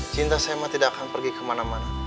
cinta saya mah tidak akan pergi kemana mana